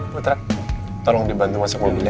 putra tolong dibantu masuk mobilnya